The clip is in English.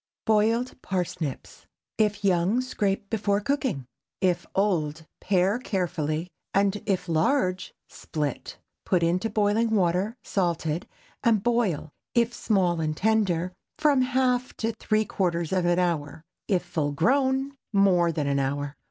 BOILED PARSNIPS. If young, scrape before cooking. If old, pare carefully, and if large, split. Put into boiling water, salted, and boil, if small and tender, from half to three quarters of an hour, if full grown, more than an hour.